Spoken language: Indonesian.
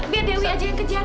biar dewi aja yang kejar